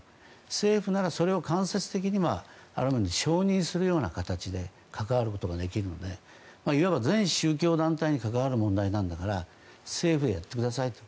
政府ならそれを間接的にある意味、承認するような形で関わることができるのでいわば全宗教団体に関わる問題なんだから政府でやってくださいと。